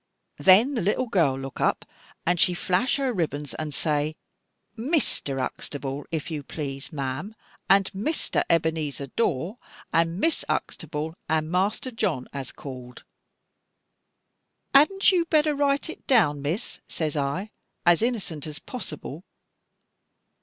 Then the little girl look up and she flash her ribbons and say, 'Mr. Huxtable, if you please, ma'am, and Mr. Ebenezer Dawe, and Miss Huxtable, and Master John, has called.' 'Hadn't you better write it down, Miss?' says I, as innocent as possible.